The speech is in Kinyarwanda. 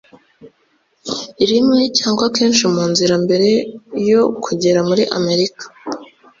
rimwe cyangwa kenshi mu nzira mbere yo kugera muri Amerika